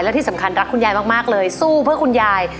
และที่สำคัญรักคุณยายมากเลยสู้เพื่อคุณยาย